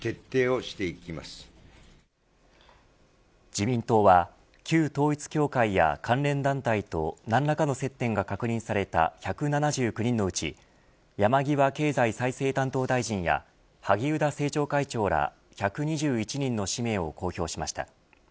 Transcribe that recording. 自民党は旧統一教会や関連団体と何らかの接点が確認された１７９人のうち山際経済再生担当大臣や萩生田政調会長ら１２１人の氏名を公表しました。